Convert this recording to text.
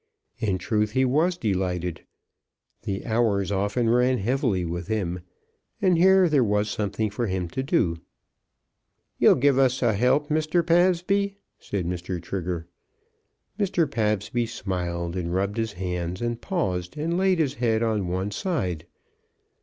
In truth he was delighted. The hours often ran heavily with him, and here there was something for him to do. "You'll give us a help, Mr. Pabsby?" said Mr. Trigger. Mr. Pabsby smiled and rubbed his hands, and paused and laid his head on one side.